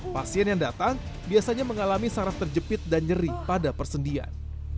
pasien yang datang biasanya mengalami saraf terjepit dan nyeri pada persendian